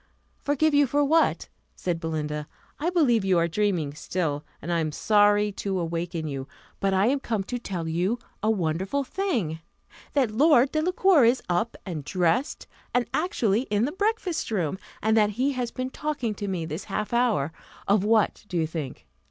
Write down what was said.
"Forgive you for what?" said Belinda; "I believe you are dreaming still, and I am sorry to awaken you; but I am come to tell you a wonderful thing that Lord Delacour is up, and dressed, and actually in the breakfast room; and that he has been talking to me this half hour of what do you think?